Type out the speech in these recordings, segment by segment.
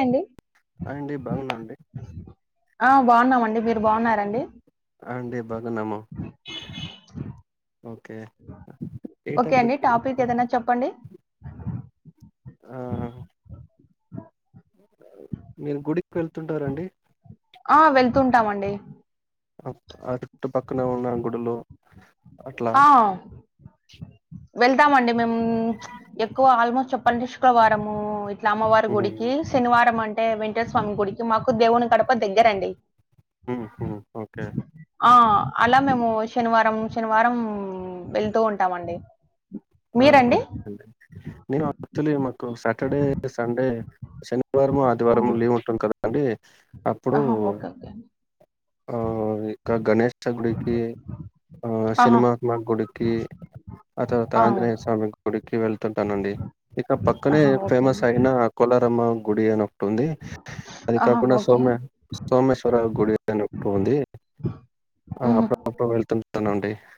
ఏండి హాయ్ అండి బాగున్నా అండి ఆ బాగున్నామండి మీరు బాగున్నారండి ఆ అండి బాగున్నాము ఓకే ఏ ఓకే అండి టాపిక్ ఏదైనా చెప్పండి ఆ మీరు గుడికి వెళ్తుంటారండి ఆ వెళ్తుంటామండి ఆ అటుపక్కన ఉన్న గుడులు అట్లా ఆ వెళ్తామండి మేము ఎక్కువ ఆల్మోస్ట్ చెప్పాలంటే శుక్రవారము ఇట్లా అమ్మవారి గుడికి హ్మ్. శనివారం అంటే వెంకటేశ్వర స్వామి గుడికి మాకు దేవుని గడప దగ్గరండి ఉహు ఓకే ఆ అలా మేము శనివారం శనివారం వెళ్తూ ఉంటామండి మీరండి నేనా పొత్తలే మకు సాటర్డే సండే శని కువారము ఆదివారము లీవ్ ఉంటుంద్ కదా అండి అహా ఓకే ఓకే ఆ ఇ కా గణేష్ చ గుడికి ఆ ఆహా సినిమహత్మ గుడి కి ఆత ఆ ఆంజనేయ స్వామి గుడికి వెళ్తుంటానండి ఇక పక్కనే ఆహా ఓకే ఫేమస్ అండి అయి నా కోలారమ్మ గుడి అని ఒకట్ ఉంది అది ఆహా కాకుండా ఓకే సోమ స్తోమేశ్వర గుడి ఊహూ [unintelligible]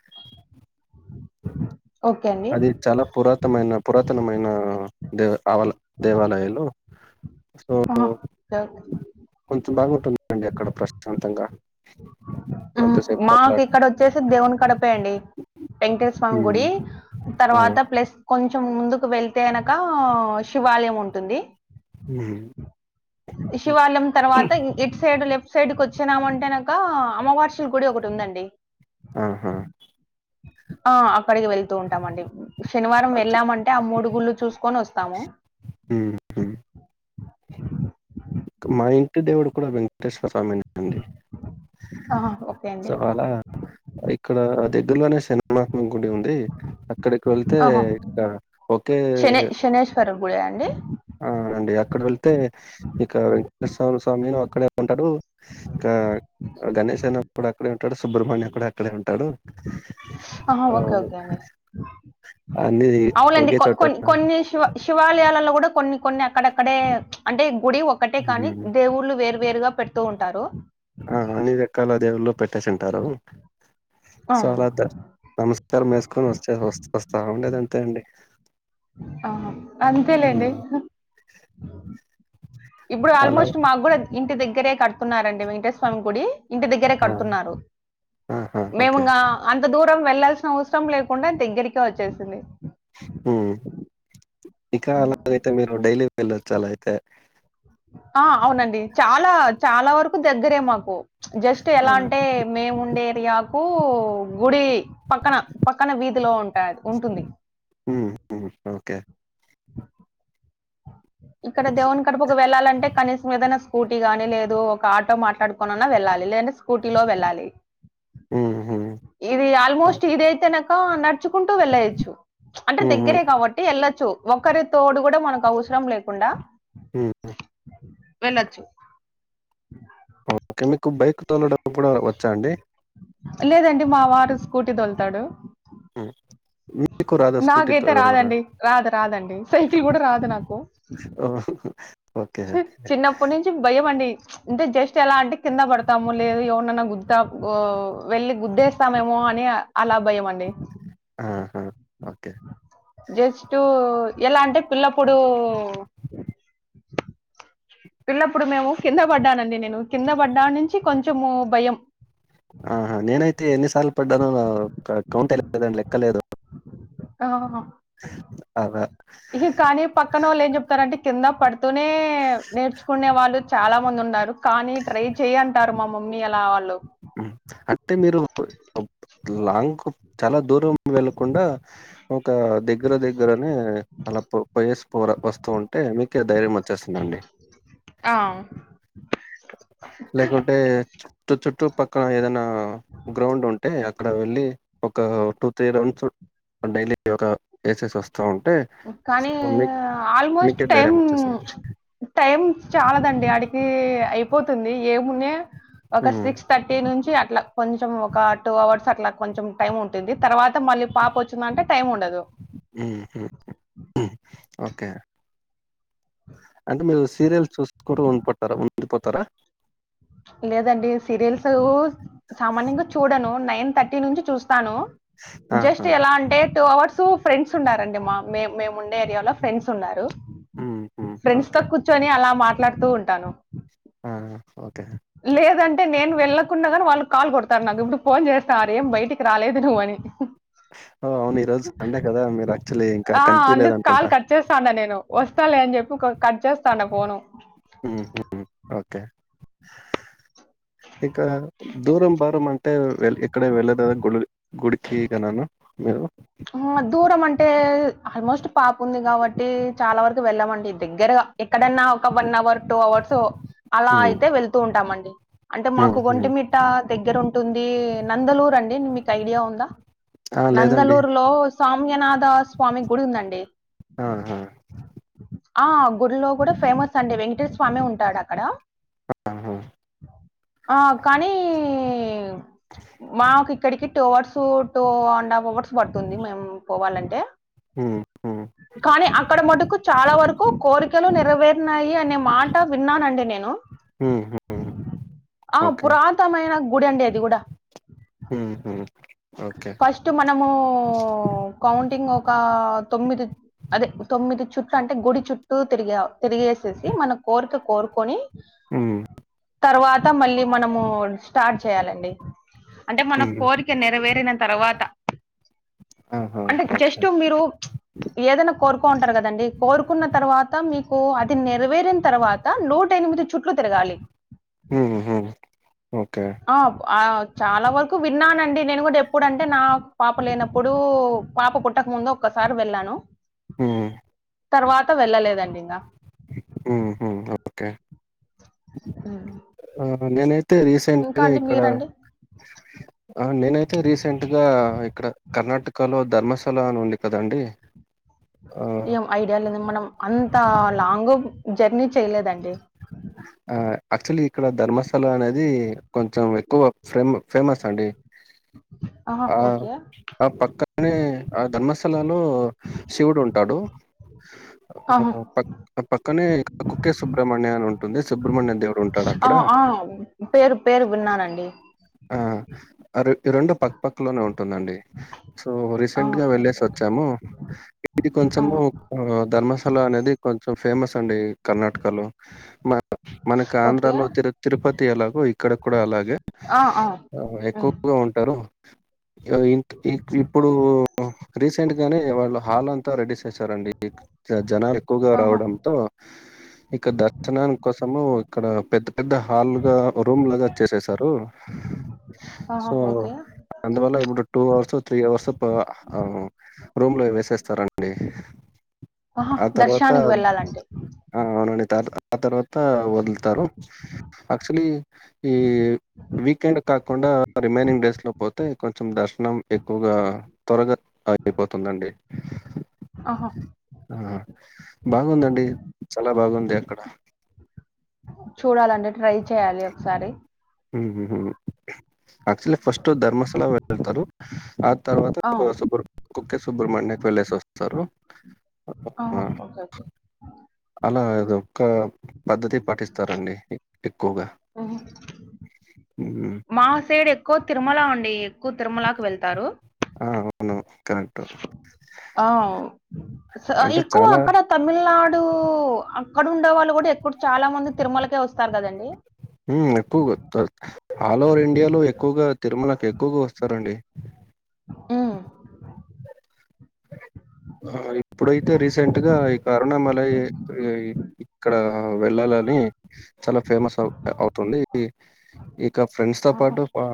ఓకే అండి అది చాలా పురాతమైన పురాతనమైన దేవ ఆవల దేవాలయాలు ఆహ చవ్ కొంచె బాగుంటుందండి అక్కడ ప్రశ్ నంతంగా ఉ మాకీక్కడ ఒచ్చేసి దేవుని కడపయిండి వెంకటేష్ స్వామ్ హ్మ్. గుడి ఆ! తర్వాత ప్లస్ కొంచెం ముందుకు వెళ్తే అనక ఆ శివాలయం ఉంటుంది ఉహు ఇ శివాలం తర్వాత ఇట్ సైడ్ లెఫ్ట్ సైడ్ కొచ్చిమంటేనక అమ్మవార్షల్ గుడి ఒకట్ ఉందండి ఆహా ఆ అక్కడికి వెళ్తూ ఉంటామండి శనివారం అచ్చు వెళ్ళామన్ టే ఆ మూడుగుళ్ళు చూసుకొనోస్తాము ఉమ్ మా ఇంటి దేవుడు కూడా వెంకటేశ్వర స్వామి అండి ఆహా! ఓకే అండి. సొ హాలా ఇక్కడా దగ్గరలోనే షెనిమాత్మ గుడి ఉంది అక్కడిక్ వెళతే ఆహా! ఇక్క ఒకే తరు గుడా అండి ఆవునండి అక్కడ వెళ్తే ఇక వెంకటేశ్వ స్వామి అక్కడే ఉంటాడు ఇకా గణేష్ అనె అప్పుడ్ అక్కడే ఉంటాడు సుబ్రహ్మణ్యం కూడా క్కడే ఉంటాడు ఆహా! ఆ ఓకే. ఓకే అండి. అన్నిది ఒకే చోట నన్ శివాలయాలల్లో కూడా కొన్ని కొన్ని అక్కడక్కడే అంటే గుడి ఒక్కటే కానీ హ్మ్. దేవుళ్ళు వేరు వేరుగా పెడుతూ ఉంటారు అహ్ అన్ని రెక్కాల దేవుల్లో పెట్టేస్ ఉంటారు ఆ, సో అలా దర్ నమస్కారం ఏసుకొని ఒస్తే ఒస్ ఒస్తా ఉండేద్ అంతే అండి ఆహ అంతే హ్మ్. లేండి హ్ ఇబ్బుడు అలా ఆల్మోస్ట్ మాగ్గూడా ఇంటి దగ్గరే కట్ కున్నారండి వెంకటేశ్ స్వామి గుడి ఇంటి దగ్గరే ఆ! కడుతున్నారు ఆహా! ఓకే. మేముంగా అంత దూరం వెళ్లాల్సిన అవసరం లేకుండా దగ్గరికే ఒచ్చేసింది ఉహ్మ్ ఇకా అలాగైతే మీరు డైలీ వెళ్ళొచ్చు అలా అయితే ఆ అవునండి చాలా చాలా వరకు దగ్గరే మాకు జస్ట్ ఆ! ఎలా అంటే మేముండే రియాకు గుడి పక్కన పక్కన వీధిలో ఉంటాద్ ఉంటుంది ఉ ఓకే ఇక్కడ దేవుని కడపుకు వెళ్ళాలంటే కనీసం ఏదనాస్ స్కూటీ గాని లేదు ఒక ఆటో మాట్లాడుకోనన్నా వెళ్ళాలి లేదంటె స్కూటీ లో వెళ్ళాలి ఉహు ఇది ఆల్మోస్ట్ ఇదియితేనక నడుచుకుంటూ వెళ్లేయ్యచ్చు అంటే హుహు. దగ్గరే కాబట్ ఎళ్ళచ్చు ఒక్కరి తోడు కూడా మనక అవసరం లేకుండా ఉ వెళ్ళచ్చు ఓకే మీకు బైక్ తోల డప్ కూడా వచ్చా అండి లేదండి మా వారు స్కూటీ దోల్తాడు అ నాకైతే రాదండి రాదు రాదండి సైకిల్ కూడా రాదు నాకు ఓ చిన్నప్పటి నుంచి భయమండి అంటే జస్ట్ ఎలా అంటే కింద పడతాము లేదు ఎవర్నన్న గుత్త ఓ వెళ్ళి గుద్దేస్తామేమో అని అలా భయం అండి అహ ఓకే జస్ట్ ఎలా అంటే పిల్లప్పుడు పిల్లప్పుడు మేము కింద పడ్డానండి నేను కింద పడ్డా నుంచి కొంచెము భయం ఆహా నేనైతే ఎన్నిసార్లు పడ్డానో క కౌంట్ [inaudible] లెక్కలేదు అవును అదట్ ఇహి కానీ పక్కనొళ్ళు ఏం చెప్తారంటే కింద పడుతూనే నేర్చుకునే వాళ్ళు చాలా మంది ఉన్నారు కానీ ట్రై చెయ్ అంటారు మా మమ్మీ అలా వాళ్ళు అంటే మీరు లాంగ్ చాలా దూరం వెళ్ళకుండా ఒక దగ్గర దగ్గరనే అలా పోయసి పోర వస్తూ ఉంటే మీకె ధైర్యమ చ్చేస్తుందండి ఆ లేకుంటే తు చుట్టు పక్కన ఏదైనా గ్రౌండ్ ఉంటే అక్కడ వెళ్ళి ఒక టూ త్రీ రౌండ్స్ డైలీ ఒక ఏసేస్ వస్తా ఉంటే సో, కానీ మీ ఆల్మోస్ట్ మీకే ధైర్యం టైమ్ వచ్చేసింది టైం చాలదండి ఆడికి అయిపోతుంది ఏమున్నా ఒక ఉమ్, సిక్స్ థర్టీ నుంచి అట్లా కొంచెం ఒక టూ అవర్స్ అట్లా కొంచెం టైమ్ ఉంటుంది తర్వాత మళ్ళీ పాపో చ్చిందంటే టైం ఉండదు ఉహు ఉ ఓకే అంటే మీరు సీరియల్స్ చూసుకుంటు ఉండిపోతారా ఉండిపోతారా లేదండి సీరియల్సు సామాన్యంగా చూడను నైన్ థర్టీ నుంచి చూస్తాను జస్ట్ ఆహా, ఎలా అంటే టూ అవర్స్ ఫ్రెండ్స్ ఉన్నారండి మా మే మేముండే ఏరియాలో ఫ్రెండ్స్ ఉన్నారు ఉమ్, ఉమ్, ఫ్రెండ్స్ తో ఓకే కూర్చొని అలా మాట్లాడుతూ ఉంటాను ఆ ఓకే లేదంటే నేను వెళ్ళకున్నా గానీ వాళ్ళు కాల్ కొడతారు నాకు ఇప్పుడు ఫోన్ చేస్త ఆరేం బయటికి రాలేదు నువ్వు అని ఓ అవును ఈ రోజు సండే కదా మీరు యాక్చువల్లీ ఇంకా కనిపలేదు అనుకుంటా చేస్తా అన్న నేను వస్తా లే అని చెప్పి కొ కట్ చేస్తాన్న ఫోను ఉహు ఓకే ఇకా దూరం భారం అంటే ఎక్కడే వెళ్ళడానిక్కదా గుడి గుడికి ఇక నను మేవో దూరం అంటే ఆల్మోస్ట్ పాపుంది కాబట్టి చాలా వరకు వెళ్ళమండి దగ్గరగా ఎక్కడన్నా వన్ అవర్ టూ అవర్స్ అలా ఉమ్, అయితే వెళ్తూ ఉంటామండి అంటే ఉమ్, మాకు ఉమ్. ఒంటిమి ట దగ్గర ఉంటుంది నందలూర్ అండి మీకు ఐడియా ఉందా ఆ, లేదండి నందలూరు లో సౌమ్యనాథ స్వామి గుడి ఉందండి ఆహా, ఆ గుడిలో కూడా ఫేమస్ అండి వెంకటేశర స్వామి ఉంటాడు అక్కడ ఆహా. ఆ కానీ మాకు ఇక్కడికి two hours two and half hours పడుతుంది మేము పోవాలంటే ఉమ్మ్ ఉమ్ కానీ అక్కడ మటుకు చాలా వరకు కోరికలు నెరవేరినాయి అనే మాట విన్నానండి నేను ఉమ్మ్ ఉమ్ ఆ ఓకే పురాతమైన గుడి అండి అది కూడా ఉహు ఓకే ఫస్ట్ మనము కౌంటింగ్ ఒక తొమ్మిది అదే తొమ్మిది చుట్టూ అంటే గుడి చుట్టూ తిరిగా తిరిగేసేసి మన కోరిక కోరుకొని ఉమ్మ్ తర్వాత మళ్ళీ మనము స్టార్ట్ చేయాలండి అంటే మన ఉమ్, కోరి క నెరవేరిన తర్వాత ఆహా అంటే జస్ట్ ఓకే మీరు ఏదైనా కోరుకో ఉంటారు కదండి కోరుకున్న తర్వాత మీకు అది నెరవేరిన తర్వాత నూట ఎనిమిది చుట్లు తిరగాలి ఉహు ఓకే ఆ చాలా వరకు విన్నానండి నేను కూడా ఎప్పుడంటే నా పాప లేనప్పుడు పాప పుట్టక ముందు ఒక్కసారి వెళ్ళాను ఉమ్మ్ తర్వాత వెళ్ళలేదండి ఇంగ ఉహు ఓకే ఆ నేనైతే ఇంకా రీసెంట్గా అండి ఇక్కడ మీరండి ఆ నేనైతే రీసెంట్ గా ఇక్కడ కర్ణాటకలో ధర్మశాల అని ఉంది కదండి ఆ ఏం ఐడియా లేదు మనం అంత లాంగ్ జర్నీ చేయలేదండి ఆ యాక్చువల్లీ ఇక్కడ ధర్మస్థలం అనేది కొంచెం ఎక్కువ ఫేమ ఫేమస్ అండి ఆహా ఆ ఓకే ఆ పక్కనే ఆ ధర్మస్ లలో శివుడు ఉంటాడు ఆహా పక్క పక్కనే కుక్కే సుబ్ర్మణ్య అని ఉంటుంది సుబ్రహమణ్య దేవుడు ఉంట ఆ ఆ పేరు పేరు విన్నానండి ఆ ఈ రెండు పక్కపక్కలోనే ఉంటుందండి సో ఆహా, రీసెంట్గా ఓకే, వెళ్ళేసి ఓకే. వచ్చాము ఇది కొంచము ఆహా, ధర్మశాల అనేది కొంచెం ఫేమస్ అండి కర్ణాటకలో మ మనకి ఆంధ్రాలో ఓకే తిరు తిరుపతి ఎలాగో ఇక్కడ కూడా అలాగే ఆ అ ఎక్కువగా ఉంటారు ఇ ఇ ఇప్పుడు రీసెంట్ గానే వాళ్ళు హాల్ అంతా రెడీస్ చేసారండి జనాలు ఎక్కువగా ఆహా రావడంతో ఇక్క దర్శనానికి కోసము ఇక్కడ పెద్ద పెద్ద హాల్గా రూమ్ లాగా చేసేసారు ఆహా సో ఓకే అందువల్ల ఇప్పుడు టూ అవర్స్ త్రీ అవర్స్ పో రూమ్ లో వేసేస్తారండి ఆహా ఆ తర్వాత దర్శనానికి వెళ్ళాలంటే ఆ అవునండి త ఆ తర్వాత వదులుతారు ఆక్చులీ ఈ వీకెండ్ కాకుండా రిమైనింగ్ డేస్ లో పోతే కొంచెం దర్శనం ఎక్కువగా త్వరగా అయిపోతుందండి ఆహా ఆ బాగుందండి చాలా బాగుంది అక్కడ చూడాలండి ట్రై చేయాలి ఒకసారి యాక్చువలీ ఫస్ట్ ధర్మస్లా వెళ్తారు ఆ ఆ తర్వాత సుబ్రక్కే సుబ్రహ్మణ్యకి వెళ్ళేసి వస్తారు ఆ ఓకే ఓకే అలా ఇదిక్క పద్ధతి పాటిస్తారండి ఎక్కువగా ఓహో అ మా సైడ్ ఎక్కువ తిరుమల అండి ఎక్కువ తిరుమలకి వెళ్తారు ఆ ఉ కరెంట్ ఆ అ అంటే ఎక్కువ చాలా ఆక్కడ తమిళనాడు అక్కడ ఉండే వాళ్ళు కూడా ఎప్పుడు చాలా మంది తిరుమలకే వస్తారు కదండి ఊ ఎక్కువగా వస్తారు ఆల్ ఓవర్ ఇండియాలో ఎక్కువగా తిరుమలకి ఎక్కువగా వస్తారండి ఊ అ ఇప్పుడైతే రీసెంట్గా ఈ కరునామలై ఇక్కడ వెళ్ళాలని చాలా ఫేమస్ అవ్ అవుతుంది ఇక ఫ్రెండ్స్ తో ఆహా పాటు ఊ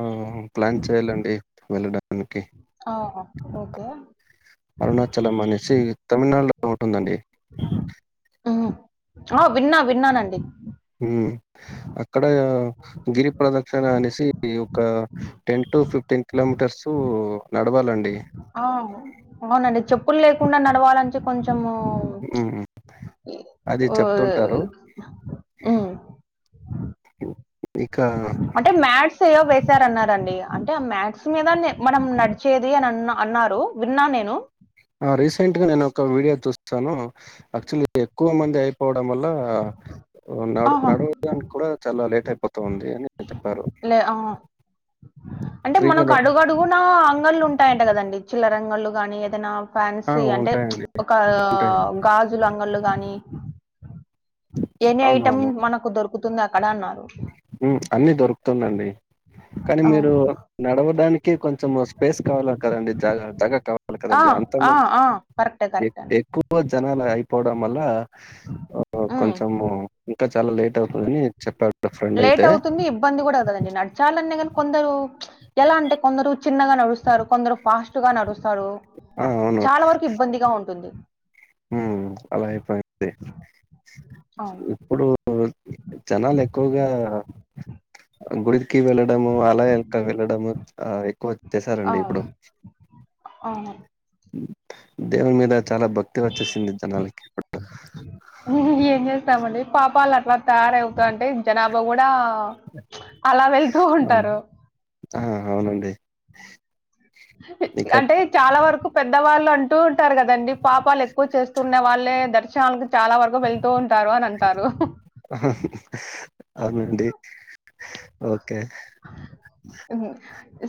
ప్లాన్ చేయాలండి వెళ్ళడానికి ఆ ఓకే అరుణాచలం అనేసి తమిళనాడులో ఉంటుందండి ఉ ఆ విన్నా విన్నానండి ఉ అక్కడ గిరి ప్రదక్షణ అనేసి ఒక ఒక టెన్ టు ఫిఫ్టీన్ కిలోమీటర్స్ నడవాలండి ఆ అవునండి చెప్పులు లేకుండా నడవాలంటే కొంచెం ఉ అది చెప్తుంటారు ఆహ్, హ్మ్. ఇకా అంటే మ్యాథ్స్ ఏదో వేసార అన్నారండి అంటే ఆ మ్యాథ్స్ మీదనే మనం నడిచేది అని అ అన్నారు విన్నా నేను ఆ రీసెంట్ గా నేను ఒక వీడియో చూసాను యాక్చువల్లి ఎక్కువ మంది అయిపోవడం వల్ల నడ్ ఆహా! నడవడానికి కూడా చాలా లేట్ అయిపోతుఉంది అని చెప్పారు. లే ఆ అంటే ఫ్రీగా మనకు న అడుగడు గున అంగళ్ళు ఉంటాయంట కదండి చిల్లరంగలు గాని ఏదైనా ఆ! ఫ్యాన్సీ అంటే చ్ ఉంటాయండి. ఒక ఉంటాయి. గాజులు అంగళ్ళ గాని ఎనీ ఐటెం అవునవును. మనకు దొరుకుతుంది అక్కడ అన్నారు ఉ అన్ని దొరుకుతుందండి కానీ ఆ! మీరు నడవడానికి కొంచెం వస్ స్పేస్ కావాల కదండి జాగర్తగా కావాలి ఆ! కదండి అంత ఆ! మంది ఆ! కరెక్టే. కరెక్టే అండి. ఎక్కువ ఎక్కువ జనాలు అయిపోవడం వల్ల ఆ హ్మ్. కొంచము ట చాలా లేట్ అవుతదని చెప్పాడు లేట్ ఫ్రెండయితే. అవుతుంది ఇబ్బంది గూడా కాదండి నడచాలన్న గానీ కొందరు చ్ ఎలా అంటే కొందరు చిన్నగా నడుస్తారు కొందరు ఫాస్ట్ గా నడుస్తారు ఆ! అవును. చాలా వరకు ఇబ్బందిగా ఉంటుంది ఉ అలా అయిపోయింది అవును. ఇప్పుడు ఉ జనాలు ఎక్కువగా గుడికి వెళ్ళడము అలా ఇంకా వేళ్ళడము ఆ ఎక్కువోచ్చెసారండి ఇప్పుడు అవును. అవును దేవుని మీద చాలా భక్తి వచ్చేసింది జనాలకి ఇప్పుడు ఏం చేస్తామండి పాపాలు అట్ల తయారవుతా ఉంటే జనాభా గూడా అలా వెళ్తూ ఆ ఉంటారు. ఆ అవునండి ఇంకా అంటే చాలా వరకు పెద్దవాళ్ళు అం అంటూ ఉంటారు గదండి పాపాలు ఎక్కువ చేస్తున్న వాళ్ళే దర్శనాలకు చాలా వరకు వెళ్తూ ఉంటారు అని అంటారు హ హు అవునండి ఓకే ఉ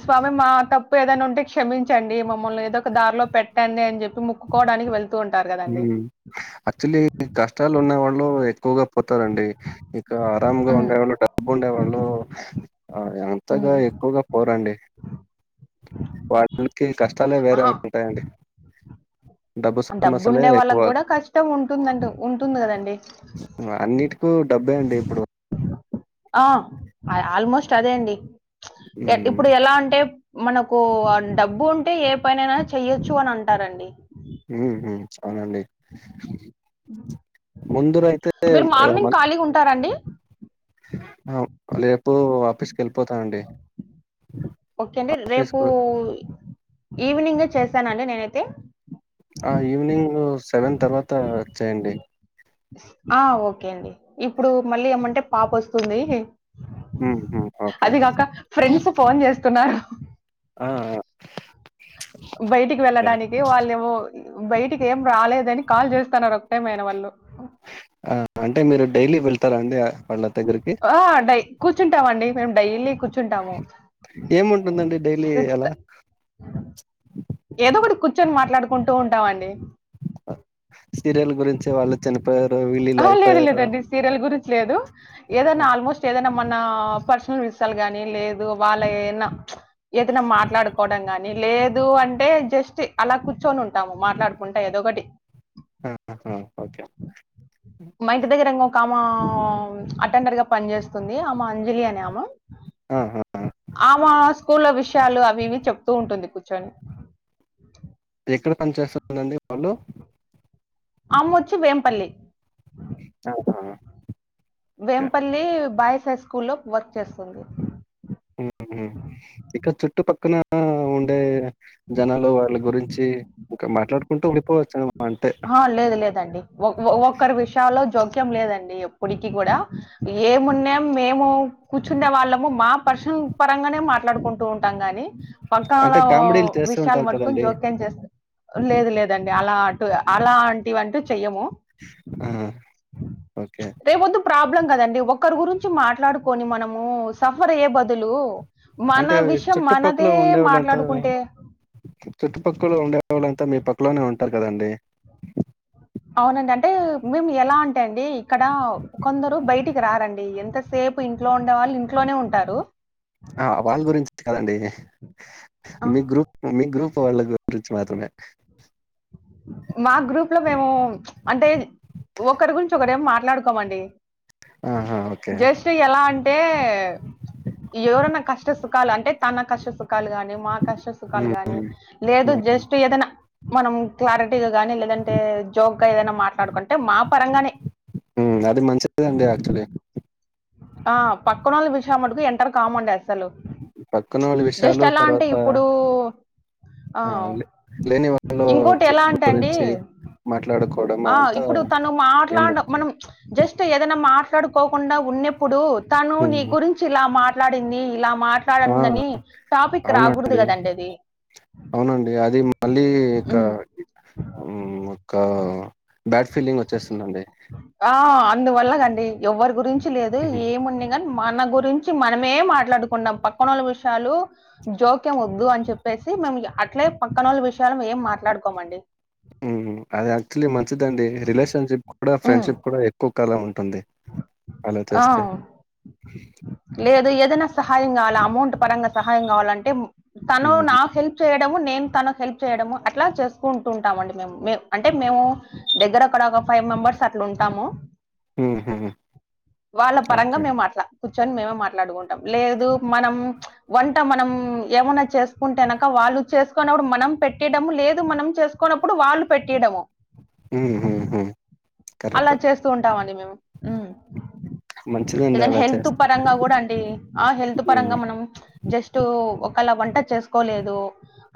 స్వామి మా తప్పు ఏదైనా ఉంటే క్షమించండి మమ్మల్ని ఏదో ఒక దారిలో పెట్టండి అని చెప్పి మోక్కుకోవడానికి వెళ్ ఊ యాక్చువల్లి కష్టాలు ఉన్న వాళ్ళు ఎక్కువగా పోతారండి ఇక్కడ ఆరామ్గా హ్మ్. ఉండేవాళ్ళు డబ్బు ఉండేవాళ్ళు ఆ హ్మ్. అంతగా ఎక్కువగా పోరండి వాళ్ళకి కష్టాలే వేరే అహా! ఉంటాయండి డబ్బు డబ్బు సమస్యలే ఉండే ఎక్కువ వాళ్ళకి గూడా కష్టం ఉంటుందంట ఉంటుంది గదండి అన్నింటిక్ డబ్బే అండి ఇప్పుడు ఆ ఆల్మోస్ట్ అదే అండి ఎ ఇప్ హ్మ్. ఇప్పుడు ఎలా అంటే మనకు డబ్బు ఉంటే ఏ పనైనా చెయొచ్చు అని అంటారండి ఉహు అవునండి ముందరయితే మీరు మార్నింగ్ ఎమన్ ఖాళీగా ఉంటారండి రేపు ఆఫీస్కి ఎళ్ళిపోతాను అండి ఓకే అండి రేపు ఈవినింగ్ చేస్తానండి నేనైతే ఆ ఈవనింగ్ సెవెన్ తర్వాత చేయండి ఆ ఓకే అండి ఇప్పుడు మళ్ళీ ఏమంటే పాప వస్తుంది హ్మ్. హ్మ్. ఓకే. అది గాక ఫ్రెండ్స్ ఫోన్ చేస్తున్నారు ఆ బయటికి ఓకే. వెళ్ళడానికి వాళ్ళు ఏవో బయటికి ఏం రాలేదని కాల్ చేస్తున్నారు ఒకటే మేడం వాళ్ళు ఆ అంటే మీరు డైలీ వెళ్తారండి వాళ్ళ దగ్గరికి ఆ డై కూర్చుంటాం అండి మేము డైలీ కూర్చుంటాము ఏముంటుందండి డైలీ సిక్స్త్ అలా ఏదో ఒకటి కూర్చొని మాట్లాడుకుంటూ ఉంటామండి సీరియల్ గురించి వాళ్ళు చనిపోయారు వీళ్ళ ఆ, ఇలా లేదు అయిపోయారు లేదండి సీరియల్ గురించి లేదు ఏదైనా ఆ! ఆల్మోస్ట్ ఏదైనా మన పర్సనల్ విషయాలు గాని లేదు వాళ్ళ ఏన్నా ఏదైనా మాట్లాడుకోవడం గాని లేదు అంటే జస్ట్ అలా కూర్చొని ఉంటాము మాట్లాడు ఉంటాయి అదొకటి ఆహ హ మా ఇంటి దగ్గర ఇంగో ఒ కమో అటెండర్ గా పనిచేస్తుంది. ఆమె అంజలి అనే ఆమ ఆహా ఆమా స్కూల్ల్లో విషయాలు అవి ఇవి చెప్తూ ఉంటుంది కూర్చొని ఎక్కడ పని చేస్తనండి వాళ్ళు అమ్మొచ్చి వేంపల్లి అదా వేంపల్లి బాయ్స్ హై స్కూల్ లో వర్క్ చేస్తుంది. ఊఉ ఇక చుట్టుపక్కన ఉండే జనాలు వాళ్ళ గురించి ఇంకా మాట్లాడుకుంటూ ఉండిపోవచ్చునమ్మా అంటే ఆ లేదు లేదండి ఓ ఓ ఒక్కరి విషయంలో జోక్యం లేదండి ఎప్పటికి కూడా ఏమున్నా మేము కూర్చుండే వాళ్ళము మా పర్శన పరంగానే మాట్లాడుకుంటూ ఉంటాం గాని పకాల అంటే కామెడీలు చేస్తూ విషయాలు ఉంటారు మట్టుకొని కదండీ! జోక్యం చేస్ లేదు లేదండి అలా అటుగా అలాంటివి అంటూ చెయ్యము. ఆ ఓకే రేపొద్దు ప్రాబ్లం కదండి ఒక్కరి గురించి మాట్లాడుకొని మనము సఫర్ అయ్యే బదులు అంటే మన విషయం చుట్టుపక్కల మనదే ఉండేవాళ్ళంతా మాట్లాడుకుంటే చుట్టుపక్కల ఉండేవాళ్ళంతా మీ పక్కలోనే ఉంటారు కదండి. అవునండి అంటే మేము ఎలా అంటే అండి ఇక్కడ కొందరు బయటికి రారండి ఎంత సేపు ఇంట్లో ఉండే వాళ్ళు ఇంట్లోనే ఉంటారు. ఆ వాళ్ళ గురించి కదండి ఆ! మీ గ్రూప్ మీ గ్రూప్ వాళ్ళ గురించి మాత్రమే మా గ్రూప్ లో మేము అంటే ఒకరి గురించి ఒకరు ఏమి మాట్లాడుకోమండి. ఆహా ఓకే జస్ట్ ఎలా అంటే ఎవరన్నా కష్ట సుఖాలు అంటే తన కష్ట సు కాలు గానీ, మా కష్ట సుఖాలు హ్మ్. గానీ లేదు హ్మ్. జస్ట్ ఏదన మనం క్లారిటీగా గానీ లేదంటే జోక్ గా ఏదైనా మాట్లాడుకుంటే మా పరంగానే ఉ అది మంచిదండి యాక్చులీ ఆ పక్కనోళ్ళ విషాం మటుకు ఎంటర్ కామండి అ సలు పక్కనోళ్ళ జస్ట్ విషయాలు ఎలా అంటే తర్వాత ఇప్పుడు ఆ లే లేని ఇంకోటి ఎలా అంటె అండి మాట్లాడకు ఆ ఇప్పుడు తను మాట్లాడ మనం జస్ట్ ఏదైనా మాట్లాడుకోకుండా ఉన్నెప్పుడు తను నీ హ్మ్. గురిం చి ఇలా మాట్లాడింది, ఇలా ఆ! మాట్లాడందని టాపిక్ రాకూడదు అవునండి. కదండి అది అవునండి అది మళ్ళీ ఇకా హ్మ్. మ్ ఒక్క బ్యాడ్ ఫీలింగ్ వచ్చేస్తుందండి. ఆ అందువల్లగండి ఎవ్వరి గురించి లేదు ఏమున్న గని మన గురించి మనమే మాట్లాడుకున్నాం పక్కనోళ్ళ విషయాలు జోక్యం వద్దు అని చెప్పేసి మేము ఇగ అట్లే పక్కనోళ్ళ విషయలు ఏం మాట్లాడుకోమండి. ఉహు అది యాక్చులీ మంచిదండి రిలేషన్షిప్ కూడ హ్మ్. ఫ్రెండ్షిప్ కూడ ఎక్కువ కాలం ఉంటుంది. అల ఆ! చేస్తే లేదు ఏదైనా సహాయం కావాలా అమౌంట్ పరంగా సహాయం కావాలంటే తను హ్మ్. నా హెల్ప్ చేయడము నేను తనకు హెల్ప్ చేయడము అట్లా చేసుకుంటు ఉంటామండి మే మేము అంటే మేవు దగ్గర అక్కడ ఒక ఫైవ్ మెంబర్స్ అట్ల ఉంటాము హుహు. వాళ్ళ పరంగా ఓకే. మేము మాట్ల కూర్చొని మేమే మాట్లాడుకుంటాం లేదు మనం వంట మనం ఏమన్న చేసుకుంటేనక్క వాళ్ళు చేసుకునప్పుడు మనం పెట్టిడం లేదు మనం చేసుక్ కొన్నప్పుడు వాళ్ళు పెట్టి ఈయడము ఉహు హు అలా చేస్తూ ఉంటామండి మేము మంచిదండి ఏదైన అలా హెల్త్ చేస్తే. పరంగ కూడ అం డి ఆ హెల్త్ పరంగా హ్మ్. మనం జస్ట్ ఒకళ వంట చేసుకోలేదు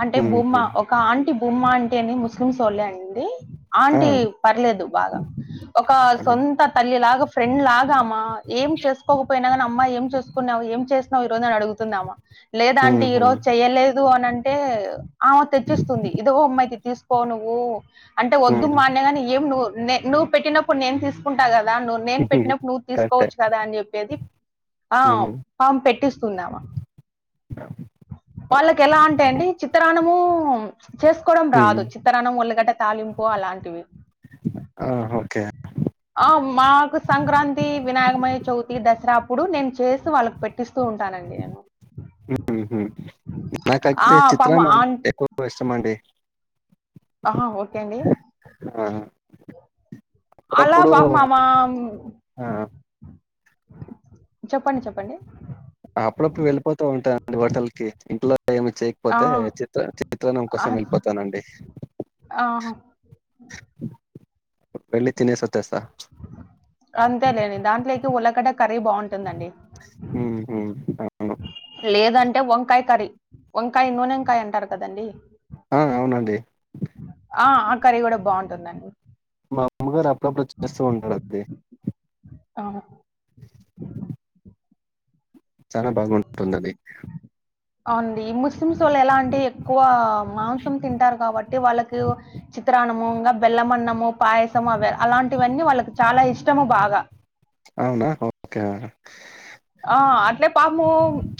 అంటే బుమ్మ హుహు. ఒక ఆంటి బుమ్మ అంటే అని ముస్లిం సోల్లేే అండి ఆ! ఆంటీ పర్లేదు బాగ ఒక అవును. సొంత తల్లి లాగ ఫ్రెండ్ లాగా ఆమ ఏం చేసుకోకపోయినా కానీ అమ్మాయి ఏం చేసు కున్నావు ఏం చేసినవు ఈ రోజు అని అడుగుతుందామా లేదు ఆంటిఈ హుహు. రోజు చెయ్యలేదు అని అంటే ఆమె తెచ్చిస్తుంది ఇదుగో అమ్మ యిది తీసుకో నువ్వు అంటే వద్దు మా అన్న గానే ఏం ను నువ్ పెట్టినప్పుడు నేను తీసు కుంటా కదా నువ్ నేను హ్మ్. పెట్టినప్పు నువ్వు కరెక్టే. తీసుకోవచ్చు కదా అని చెప్పేది ఆ హ్మ్. ఆం పెట్టిస్తుంది ఆమ స వాళ్ళకి ఎలా అంటే అండి చిత్రాన్నము చేసుకోడం హ్మ్. రాదు చిత్తరానం ఒళ్ళిగడ్డ తాలింపు అలాంటివి ఆ! ఓకే. ఆ మాకు సంక్రాంతి వినాయకమయ చవితి దసరా అప్పుడు నేను చేసి వాళ్ళకి పెట్ టిస్తూ ఉంటానండి అన్ని ఉహు నాక ఆ యితే పాపం చిత్రం అంటే ఆంట్ ఎక్కువ ఇష్టం అండి అహా ఓకే అండి హా అలా పాపం ఆమ ఆ! చెప్పండి చెప్పండి అప్పుడప్పుడు వెళ్ళిపోతుంటాదండి హొటల్కి ఇంట్లో ఏమి చేయక్ ఆ పోతే చిత్ర చిత్రణం ఆ, కోసం వెళ్ళిపోతానండి ఆహా. వెళ్ళి తినేసి వచ్చేస్త అంతేలేని దాంట్లోకి ఉల్లగడ్డ కర్రీ బావుంటుందండి ఉహు పాపం లేదంటే వంకాయ కర్రీ వంకాయ నూనెంకాయంటారు కదండి ఆ అవునండి అ ఆ కర్రీ కూడ బాగుంటుందండి మా అమ్మగారు అప్పుడప్పుడు వచ్చి తెస్తూ ఉంటారండి ఆహా చాన బాగుంటుంది అండి అవునండి ఈ ముస్లిమ్సోళ్ళు ఎలా అంటే ఎక్కువ మాంసం తింటారు కాబట్టి వాళ్ళకు చిత్రానము ఇంకా బెలమన్నము పాయసము అవి అలాంటివన్నీ వాళ్ళకి చాలా ఇష్టము బాగా అవునా ఓకే ఆ అట్లే పాపము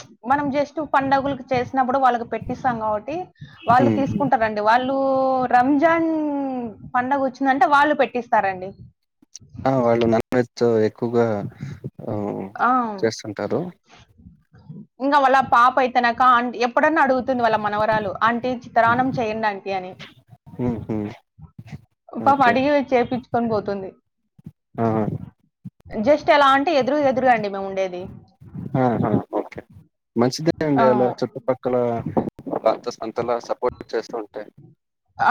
చు మనం జస్ట్ పండుగులకు చేసినప్పుడు వాళ్ళకి పెట్టిస్తాం కాబట్టి వాళ్ళు హ్మ్. హ్మ్. తీసుకుంటరు అండి వాళ్ళు రంజాన్ పండగ వచ్చిందంటే వాళ్ళు పెట్టిస్తారండి ఆ వాళ్ళు నాన్ వెజ్ ఎక్కువగా ఆహ్, ఆ ఉ చేస్తుంటారు. ఇంగా వాళ్ళ పాప అయితేనాక ఆన్ ఎప్పుడన్నా అడుగుతుంది వాళ్ళ మనవరాలు ఆంటీ జి తరాణం చేయండి ఆంటీ అని ఉహు పాపం అడిగి చేపిచ్చుకొని బోతుంది ఆ జస్ట్ ఎలా అంటే ఎదురు ఎదురు అండీ మేము ఉండేది ఆహ ఓకే మంచిదే ఆ అండి అలా చుట్టుపక్ క్కలా అంత అంతలా సపోర్ట్ చేస్తూ ఉంటే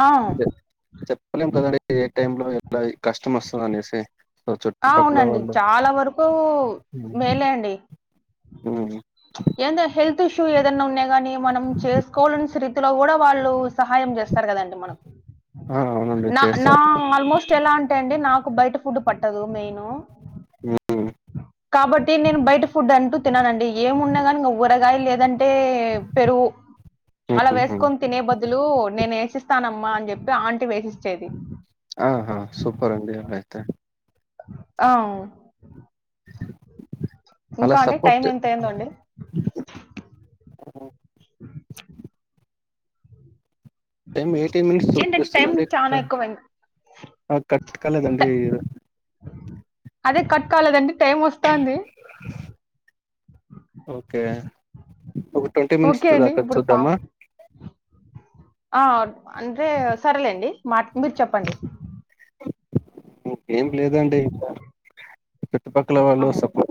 ఆ చెప్పలేం కదండి ఏ టైంలో ఎట్లా ఈకష్టం వస్తదనేసి సో చుట్ట ఆ పక్కల అవునండి వాళ్ళు చాలా వరకు ఉమ్ ఏందే హెల్త్ ఇష్యూ ఏదన్న ఉన్నా గాని మనం చేసుకోలేని స్థితిలో కూడా వాళ్ళు సహాయం జేస్తరు కదండి మనక్ ఆ! అవునండి నా నా చేస్తారు. ఆల్మోస్ట్ ఎలా అంటే అండి నాకు బయట ఫుడ్ పట్టదు మెయిను ఉమ్ కాబట్టి నేను బయట ఫుడ్ అంటూ తిననండి ఏమున్నా గని ఇంగా వడల్ దాయల్ లేదంటే పెరుగు అలా హుహు. వేసుకొని తినే బదులు నేనేసిస్తానమ్మా అని చెప్పి ఆంటీ వేసిచ్చేది ఆహా సూపర్ [unintelligible] అయితే ఆ [inaudible] అలా ఇంకాండి టైమ్ సపోర్ట్ ఎంత అయిందో అండీ టైం ఎయిటీన్ మినిట్స్ ఏంటంటే టైం చూపిస్తుందండి చానా [unintelligible] ఎక్కువైంది. కట్ ట కాలేదండి అదే కట్ కాలేదండి టైం ఒస్తాంది ఒకే ఒక ట్వంటీ మినిట్స్ ఓకే అండి. దాక ఇప్పుడు పా చూద్దామ ఆ అంటే సరేలేండి మాట్ మీరు చెప్పండి ఇంకేం లేదండి చుట్టుపక్కల ఆ! వాళ్ళు సపో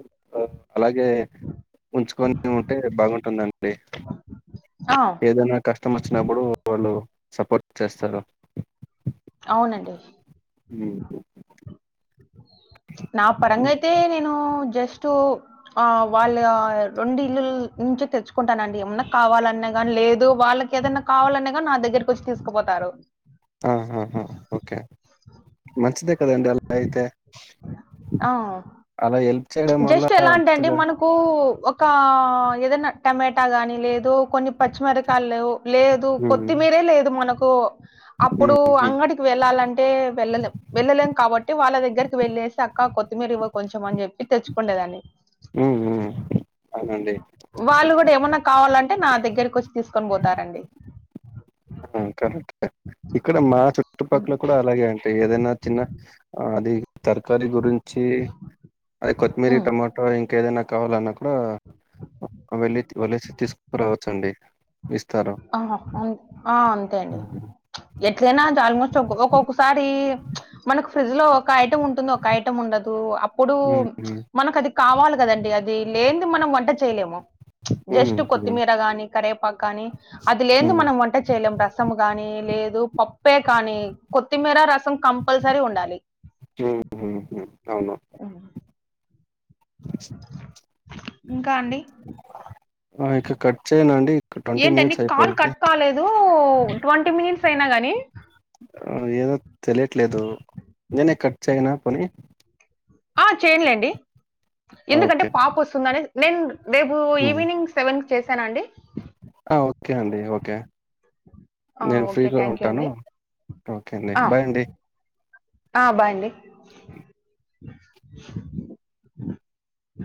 అలాగే ఉంచుకొని ఉంటే బాగుంటుందండి ఆ! ఏదైన కష్టం వచ్చినప్పుడు వాళ్ళు సపోర్ట్ చేస్తారు అవునండి ఉమ్ నా హ్మ్. పరంగయితే నేనూ జస్టూ ఆ వాళ్ళ రెండు ఇల్లుల్ నుంచే తెచ్చుకుంటానండి ఏమన్నా కావాలన్న గాని లేదు వాళ్ళకి ఏదన్న కావాలన్న గాని నాదగ్గరకొచ్చి తీసుకుపోతారు ఆహాహ ఓకే మంచిదే కదండి అల అయితే ఆ అలా హెల్ప్ చేయడం వల్ల అంతగా కు ఒక ఏదైనా టమాటా గానీ లేదు కొన్ని పచ్చిమిరకాయలేవు లే దు హ్మ్. కొత్తిమీరే లేదు మనకు అప్పుడు హ్మ్. హ్మ్. అంగడికి వెళ్ళాలంటే వెళ్ళలేం వెళ్ళలేం కాబట్టి వాళ్ళ దగ్గరికి వెళ్లేేసి అక్క కొత్తిమీరు ఇవ్వ కొంచెం అని చెప్పి తెచ్చుకుండేదాన్ని ఉహుమ్ అవునండి వాళ్ళు కూడా ఏమన్నా కావాలంటే నా దగ్గరకి వచ్చి తీసుకొని పోతారండి ఆ కరెక్ట్ ఇక్కడ మా చుట్టుపక్కల కూడా అలాగే అంటే ఏదైనా తిన్న అది తరుకరి గురించి అదే కొత్తిమీరీ ఉమ్. టమాటా ఇంకేదైనా కావాలన్నా కూడా వెళ్ళి వలేసి తీసుకురావచ్చు అండి ఇస్తారు ఆ ఆ అంతే అండి ఉమ్, ఎట్లనా అది ఆల్మోస్ట్ ఒక్కొక్కసారి మనకు ఫ్రిడ్జ్ లో ఒక ఐటమ్‌ ఉంటుంది ఒక ఐటమ్ ఉండదు అప్పుడు ఉమ్, మనకు అది కావాలి కదండి అది లేనిది మనం వంట చేయలేము ఉమ్, జస్ట్ ఉమ్, కొత్తిమీర కాని కరేపాకు కానీ అది లేంది ఉమ్, మనం వంట చేయలేం రసం కానీ లేదు పప్పే కానీ కొత్తిమీర రసం కంపల్సరీ ఉండాలి ఉమ్మ్ అవును ఉమ్ ఇంకా అండి ఆ ఇంక కట్ చేయన అండి ట్వంటీ ఏంటండి మినిట్స్ కాల్ అయిపోయింది కట్ కాలేదు ట్వంటీ మినిట్స్ అయినా గాని ఏదో తెలియట్లేదు నేనే కట్ చేయనా పోనీ ఆ చేయనులేండి ఎందుకంటే ఓకే పాప వస్తుందని నేను రేపు ఉమ్. ఈవినింగ్ సేవెనుకు చేశానా అండి ఆ ఓకే అండి ఓకే ఆ! నేను ఓకే. ఫ్రీగా థ్యాంక్ యూ ఉంటాను అండి. ఓకే అండి ఆ! బాయ్ అండి ఆ బాయ్ అండి